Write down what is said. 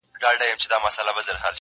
جهاني ما دي د خوبونو تعبیرونه کړي؛